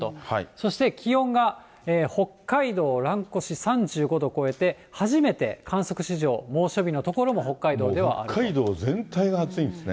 そして、気温が北海道蘭越、３５度超えて、初めて観測史上、猛暑日の所も、北海道全体が暑いんですね。